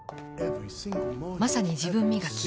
まさに自分磨き。